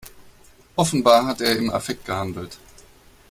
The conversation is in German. Offenbar hat er im Affekt gehandelt.